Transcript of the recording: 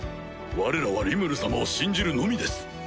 われらはリムル様を信じるのみです。